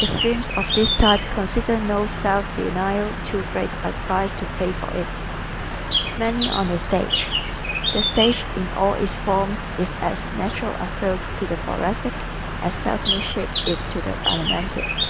Extremes of this type consider no self denial too great a price to pay for it. Many on the Stage ¶ The stage in all its forms is as natural a field to the Thoracic as salesmanship is to the Alimentive.